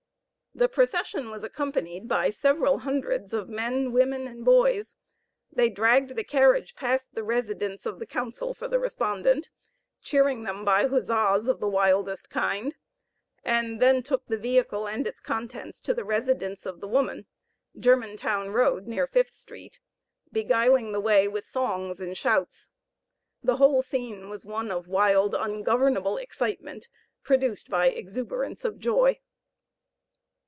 The procession was accompanied by several hundreds of men, women and boys. They dragged the carriage past the residence of the counsel for the respondent, cheering them by huzzas of the wildest kind, and then took the vehicle and its contents to the residence of the woman, Germantown Road near Fifth street, beguiling the way with songs and shouts. The whole scene was one of wild, ungovernable excitement, produced by exuberance of joy.